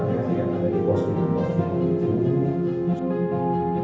terima kasih kepada indonesia